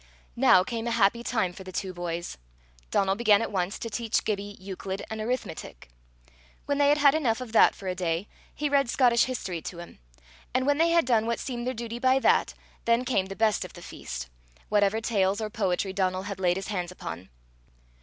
Now came a happy time for the two boys. Donal began at once to teach Gibbie Euclid and arithmetic. When they had had enough of that for a day, he read Scotish history to him; and when they had done what seemed their duty by that, then came the best of the feast whatever tales or poetry Donal had laid his hands upon.